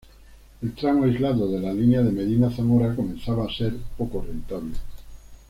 El tramo aislado de la línea de Medina-Zamora comenzaba a ser poco rentable.